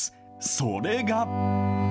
それが。